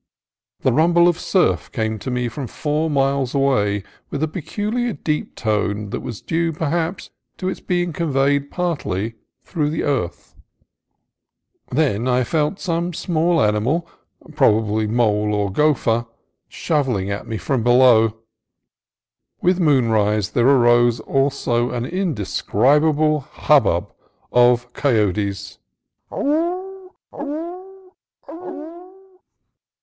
The rum ble of surf came to me from four miles away with a peculiar deep tone that was due, perhaps, to its be ing conveyed partly through the earth. Then I felt some small animal, probably mole or gopher, shov ing at me from below. With moonrise there arose also an indescribable hubbub of coyotes.